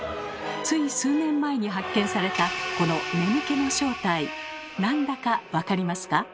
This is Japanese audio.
つい数年前に発見されたこの眠気の正体なんだか分かりますか？